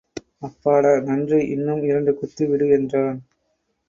அப்பாடா நன்றி இன்னும் இரண்டு குத்து விடு என்றான்.